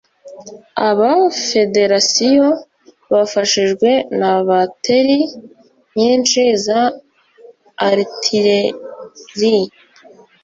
Aba Federasiyo, bafashijwe na bateri nyinshi za artillerie,